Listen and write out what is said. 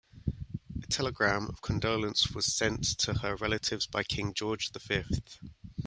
A telegram of condolence was sent to her relatives by King George the Fifth.